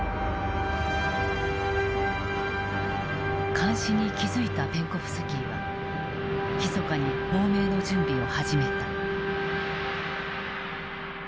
監視に気付いたペンコフスキーはひそかに亡命の準備を始めた。